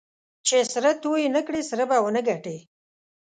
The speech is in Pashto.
چې سره توی نه کړې؛ سره به و نه ګټې.